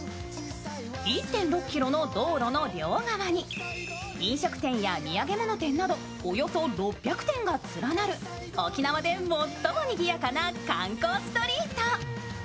１．６ｋｍの道路の両側に飲食店や土産物店など、およそ６００店が連なる沖縄で最もにぎやかな観光ストリート。